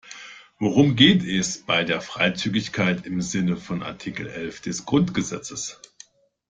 Worum geht es bei Freizügigkeit im Sinne von Artikel elf des Grundgesetzes?